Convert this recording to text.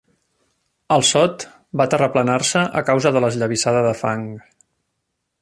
El sot va terraplenar-se a causa de l'esllavissada de fang.